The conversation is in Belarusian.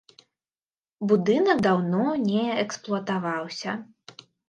Будынак даўно не эксплуатаваўся.